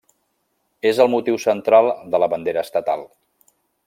És el motiu central de la bandera estatal.